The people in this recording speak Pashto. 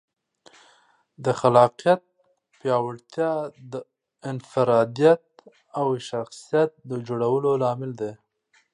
د خلاقیت پیاوړتیا د انفرادیت او شخصیت د جوړولو لامل ده.